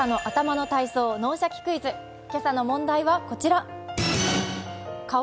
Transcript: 今朝の問題はこちら。